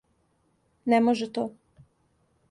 Не може то.